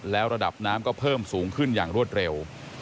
แล้วระดับน้ำก็เพิ่มสูงขึ้นอย่างรวดเร็ว